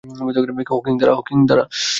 Hawking, দাঁড়া!